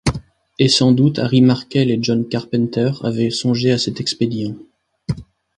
Et sans doute Harry Markel et John Carpenter avaient songé à cet expédient.